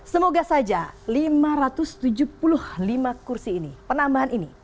semoga saja lima ratus tujuh puluh lima kursi ini penambahan ini